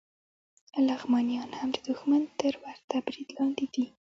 لغمانیان هم د دښمن تر ورته برید لاندې دي